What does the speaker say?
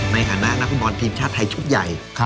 ในฐานะนักฟุตบอลทีมชาติไทยชุดใหญ่